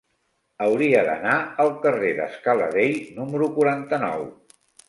Hauria d'anar al carrer de Scala Dei número quaranta-nou.